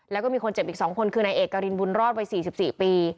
แล้วก็มีคนเจ็บอีก๒คนคือนายเอกรินบุญรอดวัย๔๔ปี